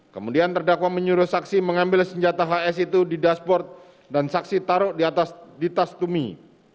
kemudian terdakwa menyuruh saksi mengambil senjata hs itu di dashboard dan saksi taruh di atas di tas tumi